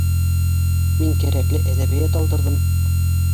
— Мин кәрәкле әҙәбиәт алдырҙым